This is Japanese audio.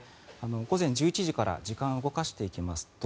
午前１１時から時間を動かしていきますと